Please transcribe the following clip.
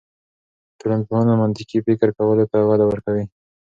ټولنپوهنه منطقي فکر کولو ته وده ورکوي.